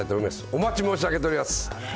お待ち申し上げております。